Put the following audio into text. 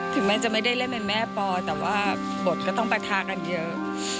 แม้จะไม่ได้เล่นเป็นแม่ปอแต่ว่าบทก็ต้องปะทะกันเยอะ